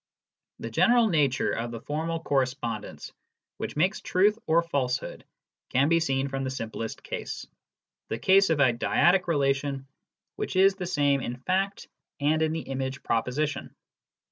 The general nature of the formal correspondence which makes truth or falsehood can be seen from the simplest case : the case of a dyadic relation which is the same in the fact and in the image proposition.